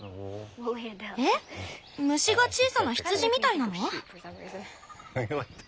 えっ虫が小さな羊みたいなの？